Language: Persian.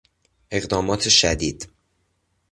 اقدامات شدید